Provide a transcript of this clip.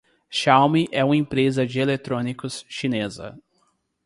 Xiaomi é uma empresa de eletrônicos chinesa.